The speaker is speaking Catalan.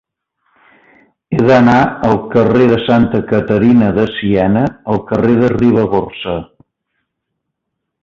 He d'anar del carrer de Santa Caterina de Siena al carrer de la Ribagorça.